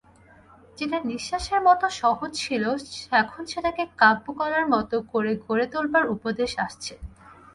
যেটা নিশ্বাসের মতো সহজ ছিল এখন সেটাকে কাব্যকলার মতো করে গড়ে তোলবার উপদেশ আসছে।